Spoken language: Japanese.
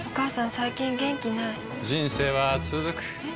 最近元気ない人生はつづくえ？